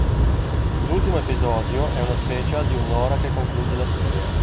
L'ultimo episodio è uno special di un'ora che conclude la serie.